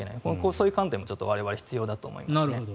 そういう観点も我々は必要だと思いますね。